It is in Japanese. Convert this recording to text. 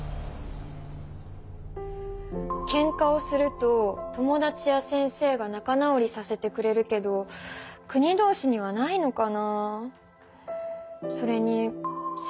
けんかをすると友だちや先生がなかなおりさせてくれるけど国同士にはないのかなあ。